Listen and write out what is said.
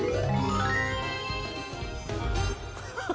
ハハハハ！